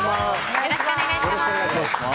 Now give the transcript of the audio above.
よろしくお願いします。